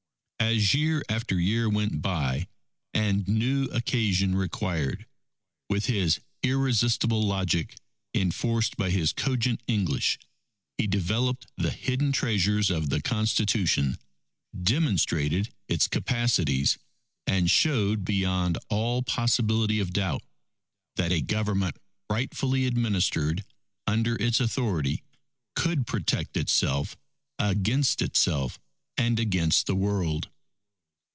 As year after year went by and new occasion required, with his irresistible logic, enforced by his cogent English, he developed the hidden treasures of the Constitution, demonstrated its capacities, and showed beyond all possibility of doubt, that a Government rightfully administered under its authority, could protect itself against itself and against the world.